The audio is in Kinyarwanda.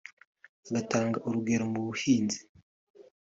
agatanga urugero mu buhinzi